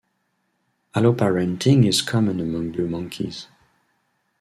Alloparenting is common among blue monkeys.